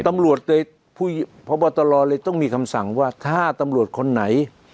ตำรวจในพบตรเลยต้องมีคำสั่งว่าถ้าตำรวจคนไหน